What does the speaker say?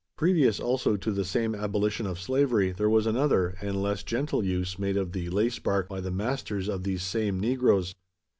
Previous also to the same abolition of slavery, there was another, and less gentle, use made of the lace bark, by the masters of these same negroes.